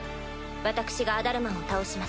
私がアダルマンを倒します。